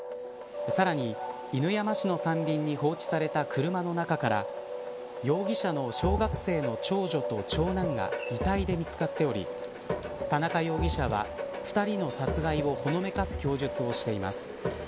さらに犬山市の山林に放置された車の中から容疑者の小学生の長女と長男が遺体で見つかっており田中容疑者は、２人の殺害をほのめかす供述をしています。